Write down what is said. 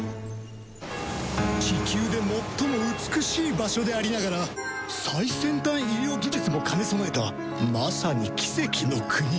チキューで最も美しい場所でありながら最先端医療技術も兼ね備えたまさに奇跡の国。